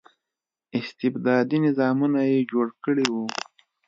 استبدادي نظامونه یې جوړ کړي وو.